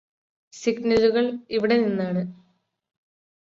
സിഗ്നലുകൾ ഇവിടെനിന്നാണ്